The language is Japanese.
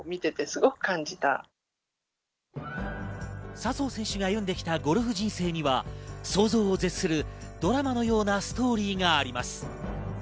笹生選手が歩んできたゴルフ人生には想像を絶する、ドラマのようなストーリーがあります。